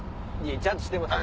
ちゃんとしてますよ。